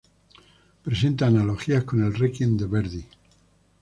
Presenta analogías con el Requiem de Verdi.